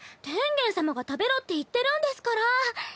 天元さまが食べろって言ってるんですから。